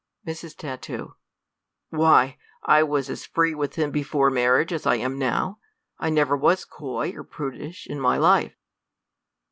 Mrs, Tat. Why, I was as free with him before mar riage as I am now ; I never was coy or prudish in my life.